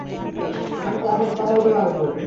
আমি তার সাথে কথা বলতে পারবো।